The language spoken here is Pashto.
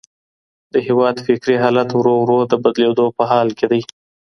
د هېواد فکري حالت ورو ورو د بدلېدو په حال کي دی.